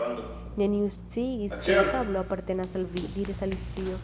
"Neniu sciigis ke la tablo apartenas al vi " diris Alicio.